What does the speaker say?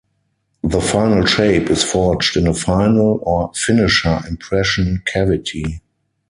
The final shape is forged in a "final" or "finisher" impression cavity.